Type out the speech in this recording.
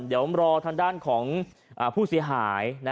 เดี๋ยวรอทางด้านของผู้เสียหาย